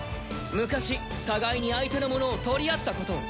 昔互いに相手のものを取り合ったことを。